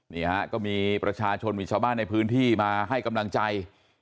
นี่ฮะก็มีประชาชนมีชาวบ้านในพื้นที่มาให้กำลังใจ